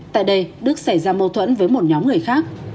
tại đây đức xảy ra mâu thuẫn với một nhóm người khác